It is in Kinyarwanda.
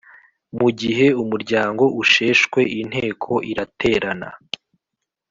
Mu gihe umuryango usheshwe inteko iraterana